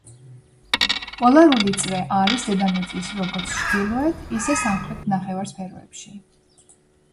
პოლარული წრე არის დედამიწის როგორც ჩრდილოეთ ისე სამხრეთ ნახევარსფეროებში.